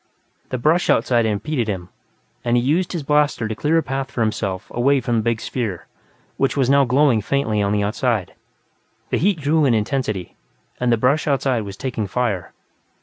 The brush outside impeded him, and he used his blaster to clear a path for himself away from the big sphere, which was now glowing faintly on the outside. The heat grew in intensity, and the brush outside was taking fire.